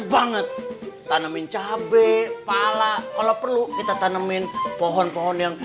banget tanamin cabai pala kalau perlu kita tanamin pohon pohon yang